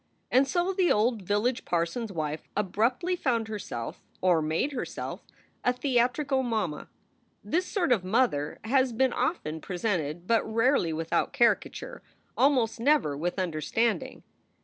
And so the old village parson s wife abruptly found herself or made herself a theatrical mamma. This sort of mother has been often presented, but rarely without caricature, almost never with understanding.